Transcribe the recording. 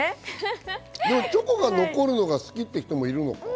チョコが残るのが好きって人もいるのかな？